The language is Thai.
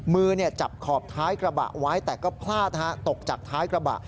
มือจับขอบท้ายกระบะไว้แต่ก็พลาดตกจากท้ายกระบะ